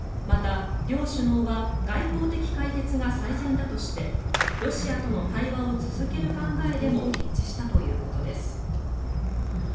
また、両首脳は外交的解決が最善だとしてロシアとの対話を続ける考えでも一致したということです。